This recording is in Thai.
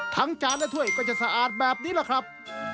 จานและถ้วยก็จะสะอาดแบบนี้แหละครับ